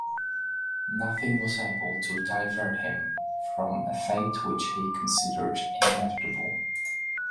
Nothing was able to divert him from a fate which he considered inevitable.